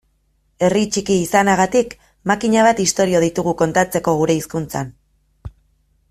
Herri txiki izanagatik makina bat istorio ditugu kontatzeko gure hizkuntzan.